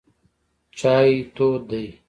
چای تود دی.